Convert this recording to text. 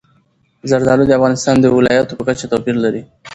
زردالو د افغانستان د ولایاتو په کچه توپیر لري.